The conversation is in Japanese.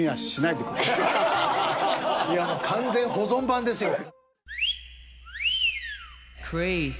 いやもう完全保存版ですよ。